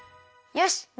よし！